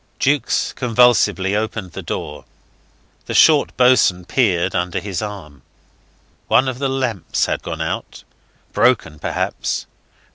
Jukes convulsively opened the door. The short boatswain peered under his arm. One of the lamps had gone out, broken perhaps.